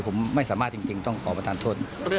ผมไม่สามารถจริงต้องขอประทานโทษ